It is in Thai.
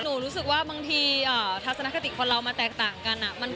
รู้สึกว่าบางทีทัศนคติคนเรามันแตกต่างกัน